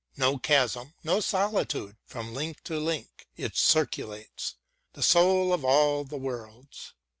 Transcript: No chasm, no solitude, from link to link It circulates, the Soul of all the worlds.